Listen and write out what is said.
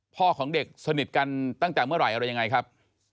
ของเด็กสนิทกันตั้งแต่เมื่อไหร่อะไรยังไงครับ